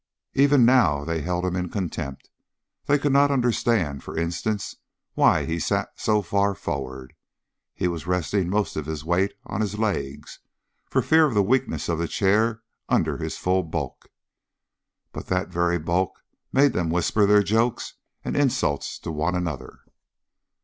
Even now they held him in contempt. They could not understand, for instance, why he sat so far forward. He was resting most of his weight on his legs, for fear of the weakness of the chair under his full bulk. But that very bulk made them whisper their jokes and insults to one another.